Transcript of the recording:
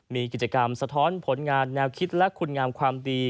มีกิจกรรมสะท้อนผลงานแนวคิดและคุณงามความดี